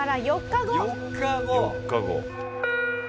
４日後。